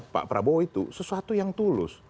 pak prabowo itu sesuatu yang tulus